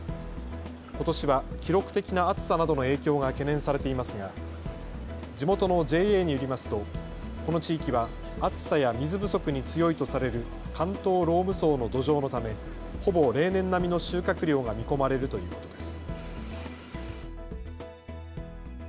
ことしは記録的な暑さなどの影響が懸念されていますが地元のＪＡによりますとこの地域は暑さや水不足に強いとされる関東ローム層の土壌のためほぼ例年並みの収穫量が見込まれるということです。